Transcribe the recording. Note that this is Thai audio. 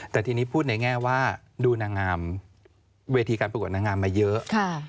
เป็นแง่ว่าดูนางงามเวทีการประกวดนางงามมาเยอะ